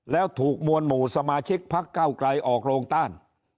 แล้วถูกมวลหมู่สมาชิกพักเก้าไกรออกโรงต้าน